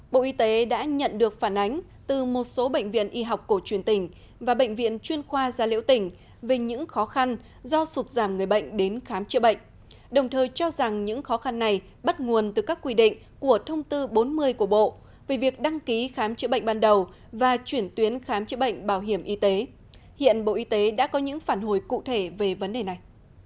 bộ y tế đã nhận được phản ánh từ một số bệnh viện y học cổ truyền tỉnh và bệnh viện chuyên khoa gia liễu tỉnh về những khó khăn do sụt giảm người bệnh đến khám chữa bệnh đồng thời cho rằng những khó khăn này bắt nguồn từ các quy định của thông tư bốn mươi của bộ về việc đăng ký khám chữa bệnh ban đầu và chuyển tuyến khám chữa bệnh bảo hiểm y tế hiện bộ y tế đã có những phản hồi cụ thể về vấn đề này